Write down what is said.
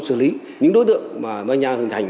xử lý những đối tượng mà ban nha hình thành